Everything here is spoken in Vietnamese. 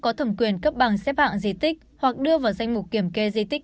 có thẩm quyền cấp bằng xếp hạng di tích hoặc đưa vào danh mục kiểm kê di tích